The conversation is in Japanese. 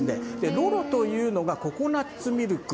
ロロというのがココナッツミルク。